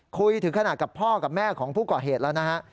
ถึงขนาดกับพ่อกับแม่ของผู้ก่อเหตุแล้วนะฮะ